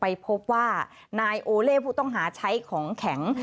ไปพบว่านายโอเล่ผู้ต้องหาใช้ของแข็ง